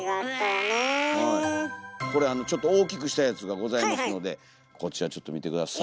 これちょっと大きくしたやつがございますのでこちらちょっと見て下さい。